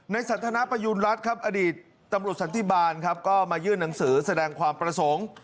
สันทนาประยูณรัฐครับอดีตตำรวจสันติบาลครับก็มายื่นหนังสือแสดงความประสงค์